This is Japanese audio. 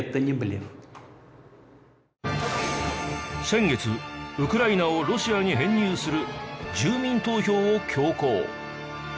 先月ウクライナをロシアに編入する住民投票を強行。